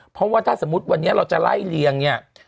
เพราะว่าถ้าสมมุติวันนี้เราจะไล่เรียงเนี่ย